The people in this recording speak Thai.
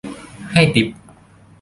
ให้ติ๊ป